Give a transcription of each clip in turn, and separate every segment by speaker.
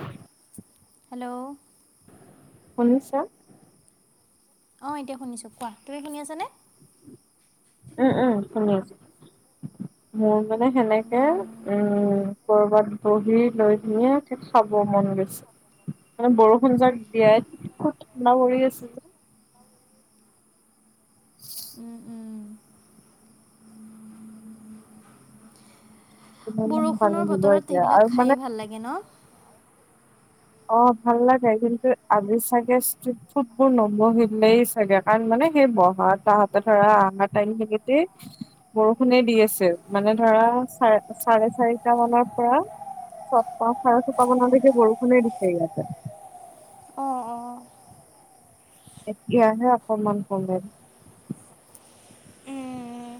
Speaker 1: হয়।
Speaker 2: হেল্ল'
Speaker 1: শুনিছা
Speaker 2: অ এতিয়া শুনিছো কোৱা তুমি শুনি আছানে।
Speaker 1: উম উম শুনি আছো মানে সেনেকে
Speaker 2: উম,
Speaker 1: উম কৰবাত বহি লৈ কিনে চিপ খাব মন গৈছে মে বৰষুণ খজ দি খুব ঠাণ্ডা হৰি আছিল যে
Speaker 2: উম উম
Speaker 1: ইমান পানী
Speaker 2: বৰষুণৰ
Speaker 1: দিব
Speaker 2: বতৰত
Speaker 1: এতিয়া
Speaker 2: সেইবিলাক
Speaker 1: আৰু মানে
Speaker 2: খায়েই ভাল লাগে ন।
Speaker 1: অ ভাল লাগে কিন্তু আজি চাগে ষ্টট ফুট বোৰ নবহিলেই চাগে কাৰণ মানে। ন সেই বহা তাহতে ধৰা আহা টাইম থেতে বৰষুণে দি আছে মানে ধৰা চাৰে চাৰে চাৰিটা মানৰ পৰা চ পা চাৰে ছোপামানলৈকে বৰষুণ দিছে। মনেৰিছেতে
Speaker 2: অঁ অঁ
Speaker 1: এতিয়াহে অকমান কম।
Speaker 2: উম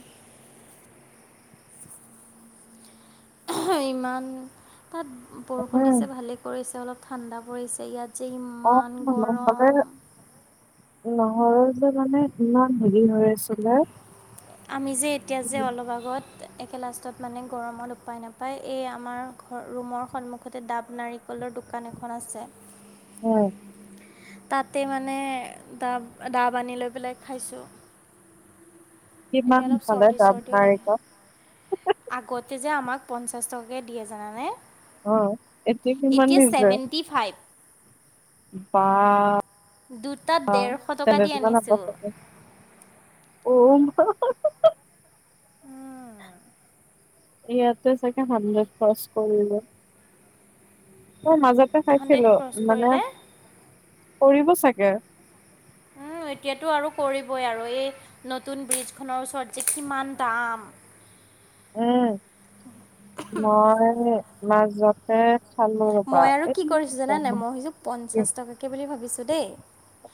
Speaker 2: ইমান তাত বৰষুণ দিছে
Speaker 1: উম,
Speaker 2: ভালেই কৰিছে অলপ ঠাণ্ডা পৰিছে ইয়াত। যেই
Speaker 1: অ'
Speaker 2: ইমান গৰম।
Speaker 1: নহৰৰ যে মানে ইমান হেৰি হৈ আছিলে
Speaker 2: আমি যে এতিয়া যে
Speaker 1: উম।
Speaker 2: অলপ আগত একে লাষ্টত মানে গৰমত উপায় নাপায় এই আমাৰ ঘৰ ৰুমৰ সন্মুখতে ডাব নাৰিকলৰ দোকান এখন আছে।
Speaker 1: উম।
Speaker 2: তাতে মানে দা দা ব্ধী লৈ পেলাই খাইছোঁ।
Speaker 1: কিমান
Speaker 2: এতিয়া অলপ
Speaker 1: হালে
Speaker 2: চৰ্দি
Speaker 1: যাম
Speaker 2: চৰ্দিও লাগে
Speaker 1: নাৰিকল।
Speaker 2: আগতে যে আমাক পঞ্চাছ টকাকৈ দিয়ে জানানে।
Speaker 1: অ'। কিমান
Speaker 2: এতিয়া
Speaker 1: দিছে
Speaker 2: ছেভেণ্টি ফাইভ।
Speaker 1: বা।
Speaker 2: দুটাত
Speaker 1: অ
Speaker 2: ডেৰশ টকা দি
Speaker 1: ছেভেণ্টি হব
Speaker 2: আনিছোঁ
Speaker 1: ছাগে।
Speaker 2: উম।
Speaker 1: ইয়াতে চাগে হাড্ৰেড ক্ৰচ কৰিলে। মোৰ মাজতে
Speaker 2: হাণ্ড্ৰেড
Speaker 1: খাইছিলো
Speaker 2: ক্ৰছ
Speaker 1: মানে
Speaker 2: কৰিলে
Speaker 1: কৰিব চাগে। [inaudible]
Speaker 2: এতিয়াতো আৰু কৰিবই আৰু এই নতুন ব্ৰিজখনৰ ওচৰত যে কিমান দাম।
Speaker 1: উম। মই মাজতে খালোঁ ৰ'বা
Speaker 2: মই আৰু
Speaker 1: এই
Speaker 2: কি কৰিছো জানানাই মই
Speaker 1: গুৱাহাটী-
Speaker 2: সযো পঞ্চাশ টকাকে বুলি ভাবিছো দেই।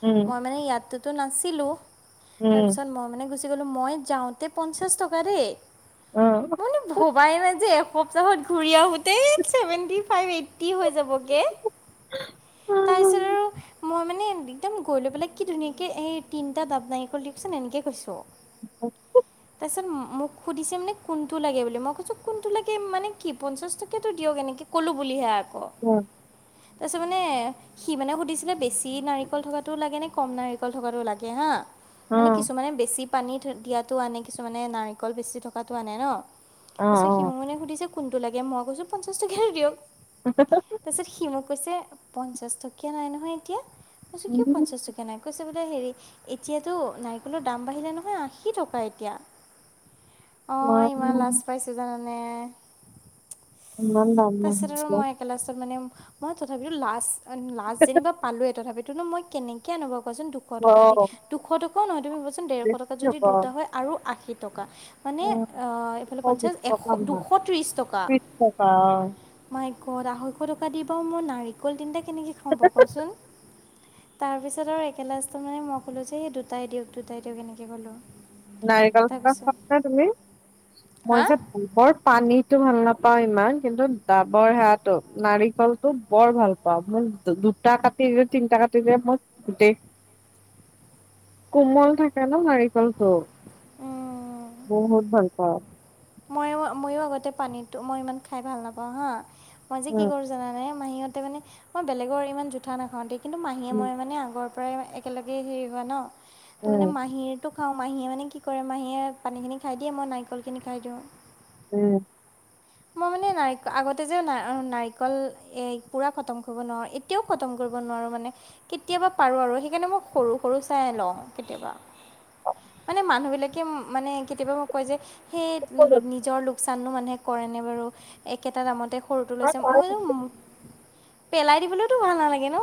Speaker 1: উম,
Speaker 2: মই মানে ইয়াততোতো নাছিলো
Speaker 1: উম,
Speaker 2: তাৰপিছত মই মানে গুছি মই যাওঁতে পঞ্চাছ টকা দেই,
Speaker 1: অ'।
Speaker 2: বুলো ভবাই নাই যে এক। কপচাহত ঘূৰি আহোতে ছেভেণ্টি ফাইভ এইট হৈ যাবগে তাৰপিছত আৰু মই মানে। একদম গৈ লৈ পেলাই কি ধুনীয়াকৈ এই তিনিটা দাব নাঙিকল দিয়কচোন এনেকৈছোঁ।
Speaker 1: অ
Speaker 2: তাৰ মোক সুধিছে মানে কোনটো লাগে বুলি মই কৈছোঁ কোনটো লাগে মানে কি পঞ্চাছ টকীয়াটো দিয়ক এনেকৈ ক'লোঁ বুলিহে। আকৌ
Speaker 1: উম,
Speaker 2: তাৰপিছত মানে সি মানে সুধিছিলে বেছি নাৰিকল থকাতটোও লাগে নে কম নাৰিকল থকাতটো লাগে হা। মানে
Speaker 1: অ',
Speaker 2: কিছুমানে বেছি পানী দিয়াতো আনে কিছুমানে নাৰিকল বেছি থকাতটো আনে ন।
Speaker 1: অ',
Speaker 2: তাৰপিছ সি
Speaker 1: অ'।
Speaker 2: মোক মনে সুধিছে কোনটো লাগে মই কৈছো পঞ্চাশ টকীয়া দিয়ক। তাৰপিছত সি মোক কৈছে পঞ্চাশ টকীয়া নাই নহয় এতিয়া। কইছো কিয়
Speaker 1: উম
Speaker 2: পঞ্চাশ টকীয়া নাই কৈছে হেৰি এতিয়াতো নাৰিকলৰ দাম বাঢ়িলে নহয় আশী টকা এতিয়া। অঁ ইমান লাজ পাইছো জানানে।
Speaker 1: ইমান মৰম লাগিছিলে
Speaker 2: মান মই তথাপো লাষ্ট লাষ্ট যেনিবা পালোৱে তথাপিতো নো মই কেনেকে আনোবা। চোন দুশ টকা দি দুশ টকাও নহয় তুমি ভোৱাচোন দেৰশ টকা যদি দুটা হয় আৰু আশী টকা। মানে এইফালে
Speaker 1: দুশ বিশ
Speaker 2: পঞ্চাছ এ দুশ ত্ৰিশ টকা।
Speaker 1: অ।
Speaker 2: ক'ত আঢ়ৈশ টকা দিব মুৰ নাৰিকল তিনিটা কেনেকৈ খাওঁ বা কচোন। তাৰপিছত আৰু একেল লাষ্টত মানে মই ক'লোঁ যে সেই দুটাই দিয়ক দুটাই দিয়ক এনেকৈ ক'লোঁ।
Speaker 1: নাৰিকল খ
Speaker 2: তাৰপিছত
Speaker 1: ন তুমি
Speaker 2: হা
Speaker 1: মই যে বলৰ পানীটো ভাল নাপাওঁ। পাওঁ ইমান কিন্তু ডাবৰ সে নাৰিকলটো বৰ ভাল পাওঁ মই দুটা ক স যে তিনটা কাটি য মই গোটেই কোমল থাকে ন নাৰ। তেলটো।
Speaker 2: উম।
Speaker 1: বহুত ভাল পাওঁ।
Speaker 2: মইো ময়ো আগতে পানীতো মই ইমান খাই ভাল নাপাওঁ হা মই যে কি
Speaker 1: উম,
Speaker 2: কৰো জানানে মাহীতে মানে মই বেলেগৰ ইমান জোঠা নাখাওঁতে কিন্তু মাহীয়ে
Speaker 1: উম,
Speaker 2: মই মানে আগৰ পৰা প্ৰায় একেলগে হেৰি হোৱা ন তো
Speaker 1: উম,
Speaker 2: মানে মাহীৰটোক খাওঁ মাহীয়ে মানে কি কৰে মাহীয়ে পানীখিনি খাই দিয়ে মই নাৰিকলখিনি খাই দিওঁ
Speaker 1: উম
Speaker 2: মই মানে ন আগতে যে নাৰিকল পুৰা খতম কৰিব নোৱাৰো এতিয়াও খতম কৰিব কেতিয়াবা পাৰো আৰু সেইকাৰণে মই সৰু সৰু চাই ল কেতি মানে মানুহ বিলাকে মানে কেতিয়াবা মোক কয় যে সেই
Speaker 1: ওপৰত
Speaker 2: নিজৰ লোক লোকচাননো মানুহে কৰেনে বাৰু একেটা দামতে সৰুটো
Speaker 1: আৰু
Speaker 2: লৈছে মই
Speaker 1: তাৰ-
Speaker 2: পেলাই দিবলৈতো ভাল নালাগে ন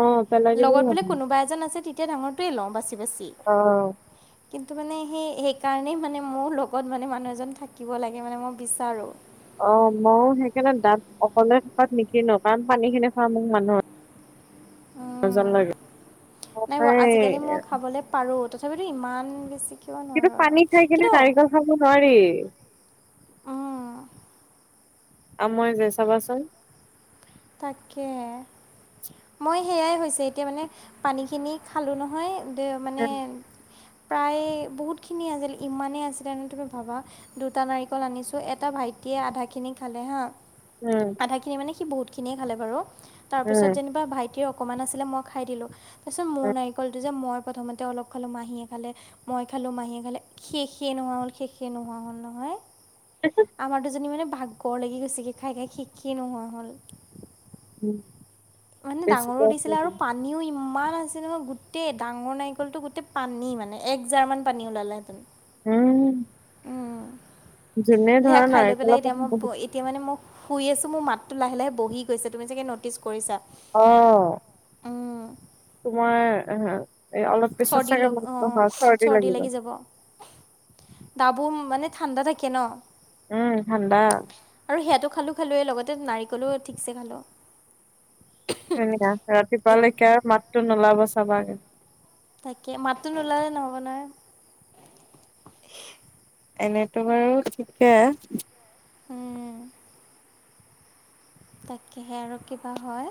Speaker 1: অ' পেলাই দিবও
Speaker 2: লগত
Speaker 1: ভাল।
Speaker 2: বোলে কোনোবা এজন আছে এতিয়া ডাঙৰ টোৱে লং বাছ
Speaker 1: আহ
Speaker 2: কিন্তু মানে সেই সেইকাৰণেই মানে মোৰ লগত মানে মানুহ এজন থাকিব লাগে মানে মই বিচাৰোঁ
Speaker 1: অ মই সেইকাৰণে দাঁত অকলে থকাত নিকো কাৰণ পানী খিনি খোৱা মোক মানুহৰ
Speaker 2: উম নাই বাৰ আজিকালি মই খাবলে পাৰো তথাপিতো ইমান বেছি কিয়
Speaker 1: কিন্তু
Speaker 2: নোৱাৰোঁ আৰু
Speaker 1: পানী খাই কিনে
Speaker 2: কিন্তু
Speaker 1: নাৰিকল খাব নোৱাৰি।
Speaker 2: উম,
Speaker 1: আও মই যে চাবাচোন?
Speaker 2: তাকে। মই সেয়াই হৈছে এতিয়া মানে পানীখিনি খালোঁ নহয়। দে মানে।
Speaker 1: উম
Speaker 2: প্ৰায় বহুতখিনি আছিল। ইমানেই আছিলে তুমি ভাবা। দুটা নাৰিকল আনিছোঁ এটা ভাইটি। য়ে আধাখিনি খালে হাঁ।
Speaker 1: উম
Speaker 2: আধা খিনি মানে সি বহুত খিনিয়ে খালে বাৰু। তাৰ পিছত
Speaker 1: উম
Speaker 2: যেনিবা ভাইটিৰ। অকমান আছিলে মই খাই দিলোঁ। তাৰপিছত মোৰ নাৰিকলটো যে মই প্ৰথমতে অলপ খালোঁ, মাহীয়ে খালে, মই খালোঁ, মাহীয়ে খালে শেষেইে নোহোৱা হ'ল শেষেই নোহোৱা হ'ল নহয়। আমাৰ দুজনী মানে ভাগৰ লাগি গৈছেগে খাই খাই শেষেই নোহোৱা হল।
Speaker 1: উম।
Speaker 2: মানে
Speaker 1: বেছিকে
Speaker 2: ডাঙৰো দিছিলে
Speaker 1: আছে।
Speaker 2: আৰু পানীও ইমান। আছিলে ক। গোটেই ডাঙৰ নাৰিকলতটো গোটেই পানী মানে। এক জাৰ মান পানী ওলালে হেতেন।
Speaker 1: উম। যোনে
Speaker 2: সেয়া
Speaker 1: ধৰা
Speaker 2: খাই লৈ পেলাই
Speaker 1: নাৰিকলৰ
Speaker 2: এতিয়া
Speaker 1: পানী
Speaker 2: মই
Speaker 1: বহুত
Speaker 2: এতিয়া মানে মোক। শুই আছো মোৰ মাতটো লাহ লাহে বহি গৈছে। তুমি চাগে ন'টিছ কৰিছা।
Speaker 1: অ।
Speaker 2: উম,
Speaker 1: তোমাৰ। এই অলপ পেছাৰ
Speaker 2: চৰ্দি
Speaker 1: চাগে
Speaker 2: লগ
Speaker 1: মাত
Speaker 2: অঁ
Speaker 1: হয় খৰতে
Speaker 2: চৰ্দি
Speaker 1: লাগিব।
Speaker 2: বুম মানে ঠাণ্ডা থাকে ন।
Speaker 1: উম ঠাণ্ডা।
Speaker 2: আৰু সেয়াটো খালোঁ খালোৱেই লগতে নাৰিকলো ঠিকছে খালো।
Speaker 1: হেনেকা আছে। ৰাতিপুৱালৈকে আৰু মাতটো নোলাব চাবাগে।
Speaker 2: তাকে মাতটো নুলালে নহব নহয়।
Speaker 1: এনেতো বাৰু ঠিকে।
Speaker 2: উম। তাকেহে আৰু কিবা হয়।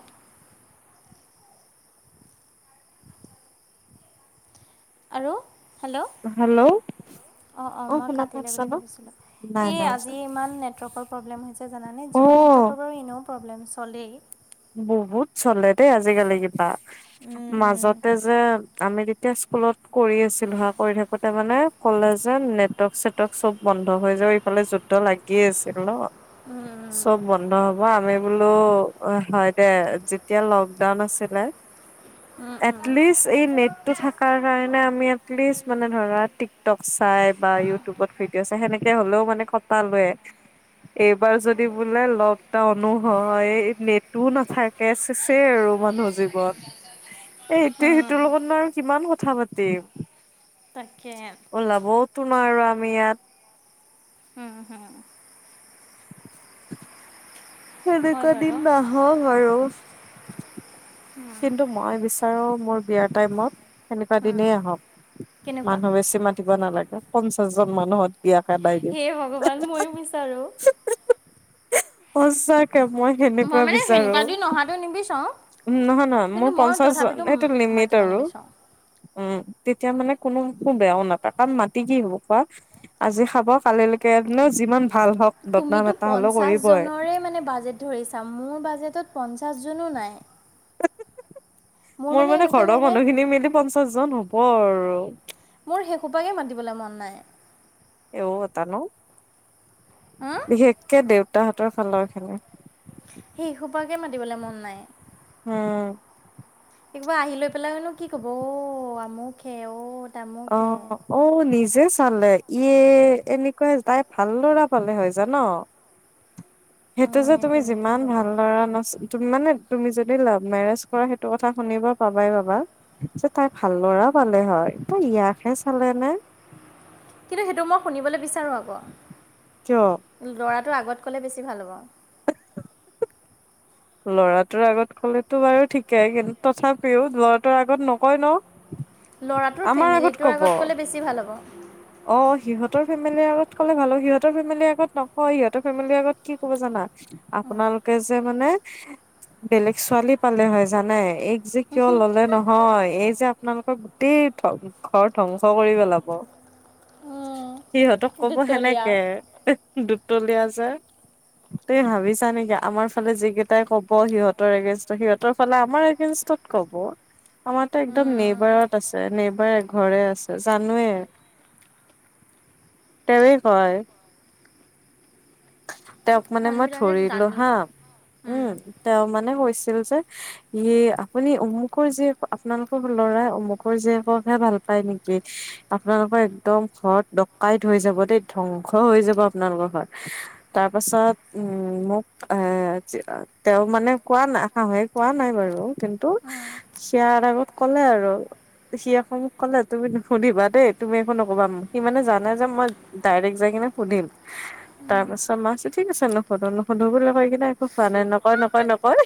Speaker 2: আৰু? Hello
Speaker 1: hello.
Speaker 2: অঁ অঁ
Speaker 1: অ
Speaker 2: মই
Speaker 1: শুনা
Speaker 2: কাটিলে
Speaker 1: পাইছা
Speaker 2: বুলি
Speaker 1: ন?
Speaker 2: ভাবিছিলোঁ।
Speaker 1: নাই
Speaker 2: এই
Speaker 1: নাই
Speaker 2: আজি
Speaker 1: চোৱা
Speaker 2: ইমান নেটৱৰ্কৰ প্ৰব্লেম হৈছে জানা নে? জিঅ' নে
Speaker 1: অ'
Speaker 2: নেটৱৰ্কৰ বাৰু এনেও প্ৰব্লেম চলেই।
Speaker 1: বহুত চলে দেই আজিকালি কিবা
Speaker 2: উম, উম,
Speaker 1: মাজতে যে। আমি যেতিয়া স্কুলত কৰি আছিলো হা কৰি থাকোতে মানে ক'লে যে নেটৰ্ক চেটৰ্ক চব বন। বন্ধ হৈ যাও ইফালে যুদ্ধ লাগিয় আছিল ন। চব বন্ধ হব। আমি বোলো অহ। হয় দে যেতিয়া লকডাউন আছিলে।
Speaker 2: উম, উম
Speaker 1: এটলিস্ত এই নেটটো থাকাৰ কাৰণে আমি এটলিস্ত মানে ধৰা টিকটক চাই। বা ইউটিউবত ভিডিঅ চাই সেনেকে হ'লেও মানে খটা লয়। এইবাৰ যদি বোলে লকডাউনো হয়। নেটটো নাথাকে সেছেই আৰু মানুহৰ জীৱন। এ এইটোয়ে
Speaker 2: উম
Speaker 1: সেইটোৰ লগত ন আৰু কিমান কথা পাতি। তিম।
Speaker 2: তাকে
Speaker 1: উলাবৌটো নোৱাৰো আমি ইয়াত।
Speaker 2: উম হম। হয়
Speaker 1: সেনেকুৱা
Speaker 2: বাৰু
Speaker 1: দিন নাহক আৰু। কিন্তু মই বিচাৰো মোৰ বিয়াৰ টাইমত সেনেকুৱা
Speaker 2: উম,
Speaker 1: দিনেই আহক।
Speaker 2: কেনেকুৱা
Speaker 1: মানুহ বেছি মাতিব নালাগে। পঞ্চাশ জন মানুহত বিয়া খেদাই দিউ।
Speaker 2: হে ভগৱান ময়ো বিচাৰোঁ
Speaker 1: সঁচা কে মই সেনেকুৱা
Speaker 2: মানে
Speaker 1: বিচাৰো।
Speaker 2: সেনেকুৱা দিন অহাটো নিবিচাৰোঁ
Speaker 1: নহয় নহয়
Speaker 2: কিন্তু
Speaker 1: মোৰ
Speaker 2: মই
Speaker 1: পঞ্চাশ জন,
Speaker 2: তথাপিতো
Speaker 1: সেটো লিমিট
Speaker 2: মাতিব
Speaker 1: আৰু
Speaker 2: নিবিচাৰোঁ
Speaker 1: উম। তেতিয়া মানে কোনো বেয়াও নাপায় কাৰণ মাটি কি হ'ব কোৱা - আজি খাব কালিলৈকে ন যিমান ভাল হওক বদনাম
Speaker 2: তুমিটো
Speaker 1: এটা হ'লেও কৰিবই।
Speaker 2: পঞ্চাশজনৰে মানে বাজেট ধৰি চ মোৰ বাজেত প পাঁচজনো নাই
Speaker 1: মোৰ মানে ঘৰৰ মানুহখিনি মিলি পঞ্চাশ জন হব আৰু
Speaker 2: মোৰ সেইসোপাকে মাতিবলৈ মন নাই
Speaker 1: এটা ন
Speaker 2: হম
Speaker 1: বিশেষকে দেউতাহঁতৰ ফালৰখিনি
Speaker 2: সেইসোপাকে মাতিবলে মন নাই
Speaker 1: উম।
Speaker 2: একবাৰ আহি লৈ পেলাইনো কি কব অ আমুক হে অ তামুকহে
Speaker 1: অ-অ নিজ নিজে চালে ইয়ে এনেকুৱাই তাই ভাল লৰা পালে হয় জান সেইটো যে তুমি
Speaker 2: তেনেকেই
Speaker 1: যিমান
Speaker 2: ক'ব
Speaker 1: ভাল লৰা নচ মানে তুমি যদি লাভ মেৰেজ কৰা সেইটো কথা শুনিব পাবাই পাবা যে তাই ভাল ল'ৰা পালে হয় ত ইয়াকহে চালে নে?
Speaker 2: কিন্তু সেইটো মই শুনিবলৈ বিচাৰো
Speaker 1: কিয়?
Speaker 2: আকৌ ল'ৰাটো আগত কলে বেছি ভাল হ'ব
Speaker 1: লৰাটোৰ আগত কলেতো বাৰু ঠিকেই কিন্তু তথাপিও লৰাটোৰ আগত নকয় ন
Speaker 2: ল'ৰাটোৰ
Speaker 1: আমাৰ আগত
Speaker 2: ফেমিলিটোৰ
Speaker 1: কব
Speaker 2: ক'লে বেছি ভাল হ'ব
Speaker 1: অ সিহঁতৰ ফেমেলি আগত ক'লে ভাল সিহঁতৰ ফেমিলিৰ আগত নকয় সিহঁতৰ ফেমিলিৰ আগত কি কব জানা আপোনালোকে যে মানে বেলেগ ছোৱালী পালে হয় জানে এই যে কিয় ললে নহয় এই যে আপোনালোক গোটেই ঘৰ ধ্বংস কৰি পেলাব। সিহঁতক কব
Speaker 2: দুতলীয়া
Speaker 1: সেনেকে দুইতলিয়া যে তুমি ভাবিছা নেকি আমাৰফালে যিকেইটা এই কথা তাই কব সিহঁতৰ এগেনষ্ট সিহঁতৰ ফালে আমাৰ এগেনষ্টত কব আমাৰতো একদম নেবাৰত আছে নেবাৰ ঘৰে আছে জানোৱে তেৱেঁই কয়। তেওঁক মানে মই
Speaker 2: মানুহবিলাকে
Speaker 1: ধৰিলো
Speaker 2: জানি
Speaker 1: হা উম তেওঁ মানে কৈছিল যে ইয়ে আপুনি অমুকৰ যি আপোনালোকৰ ল'ৰা অমুকৰ জীয়েকক হে ভাল পাই নেকি আপোনালোকৰ একদম ঘৰত ডকাইত হৈ যাব দেই ধ্বংস হৈ যাব আপোনালোকৰ হয় তাৰ পাছত উম মোক এ তেওঁ মানে কোৱা নাই শাহুৱে কোৱা নাই বাৰু আৰু কিন্তু সেয়াৰ আগত কলে আৰু সি আকৌ মোক ক'লে তুমি নুশুনিবা দেই তুমি একো নকবা সি মানে জানে যে মই ডাইৰেক্ট জে [unintelligible] সুধিম তাৰ পাছত ঠিক আছে নুসুধো ন সুধো বুলি নকয় কিা একো হোৱা নাই নকয়-নকয়-নকয়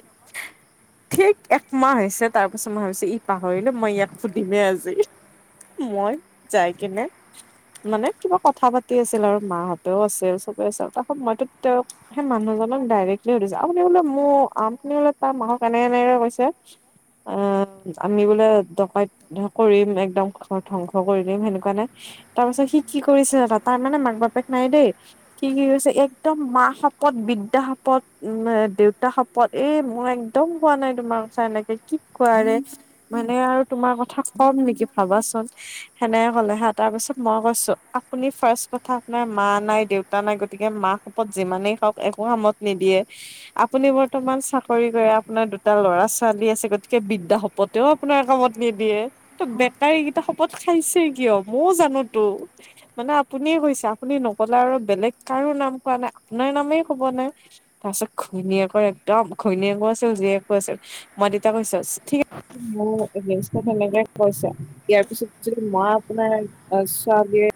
Speaker 1: ঠিক একমাহ হৈছে তাৰ পিছত মাহ হৈছে ই পাহৰিলো মই ইয়াক সুধিমেই আজি মই যাই কিনে মানে কিবা কথা পাতি আছিল আৰু মাহঁতেও আছিল চবে আছিল ত মইতো তেওঁক সেই মানুহজনক ডাইৰেক্টলি সুধিছোঁ আপুনি বোলে মোৰ আপুনি বোলে তাৰ মাকক এনেকে-এনেকে কৈছে অ আমি বোলে ডকাইত কৰিম একদম ধ্বংস কৰি দিম সেনেকুৱা নাই তাৰ পাছত সি কি কৰিছে জান তাৰ মানে মাক-বাপেক নাই দেই কি কৈছে একদম মা শপত, বিদ্যা শপত, দেউতা শপত এই মই একদম কোৱা নাই তোমাৰ কথা এনেকে কি কোৱাৰে মানে আৰু তোমাৰ কথা কম নেকি ভাবাচোন সেনেহে কলে হে তাৰ পিছত মই কৈছো আপুনি ফাৰ্ষ্ট কথা আপোনাৰ মা নাই, দেউতা নাই গতিকে মাক শপত যিমানেই হওক একো কামত নিদিয়ে আপুনি বৰ্তমান চাকৰি কৰে আপোনাৰ দুটা ল'ৰা-ছোৱালী আছে গতিকে বিদ্যা শপতেও আপোনাৰ কামত নিদিয়ে বেটাৰীকেইটা শপত খাইছে কিয় ময়ও জানোতো মানে আপুনিয়ে কৈছে আপুনি নকলে আৰু বেলেগ কাৰো নাম কোৱা নাই আপোনাৰ নামেই কব নাই তাৰপিছত ঘৈণীয়েকৰ একদম ঘৈণীয়েকৰ আছিল যিয় কৈছিল মই তেতিতা কৈছো িক আ মোৰনেকে কৈছ ইয়াৰ পিছত মা আপোনাৰ ছোৱালীয়ে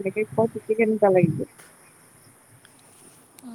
Speaker 1: এনেকে পতি কেনেুৱা লাগিব [unintelligible]